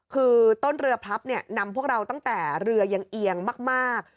คือต้นเรือพลับเนี่ยนำพวกเราตั้งแต่เรือยังเอียงมาก